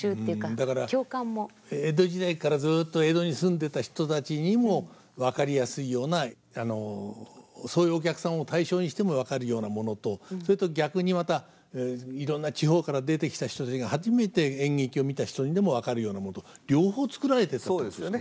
だから江戸時代からずっと江戸に住んでた人たちにも分かりやすいようなそういうお客さんを対象にしても分かるようなものとそれと逆にまたいろんな地方から出てきた人たちが初めて演劇を見た人にでも分かるようなものと両方作られてたってことですね。